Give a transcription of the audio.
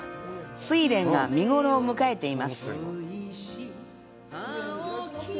スイレンが見頃を迎えています。